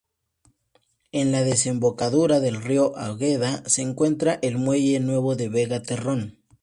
En la desembocadura del río Águeda se encuentra el muelle nuevo de Vega Terrón.